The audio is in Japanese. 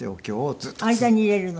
間に入れるの？